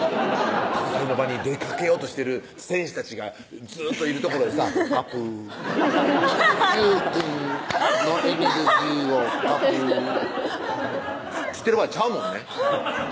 戦いの場に出かけようとしてる戦士たちがずっといる所でさ「カプー」「優くんのエネルギーをカプー」してる場合ちゃうもんね